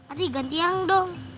aduh ganti yang dong